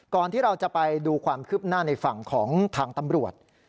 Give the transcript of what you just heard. ที่เราจะไปดูความคืบหน้าในฝั่งของทางตำรวจ